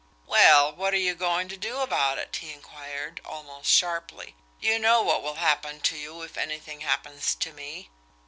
"Well, what are you going to do about it?" he inquired, almost sharply. "You know what will happen to you, if anything happens to me."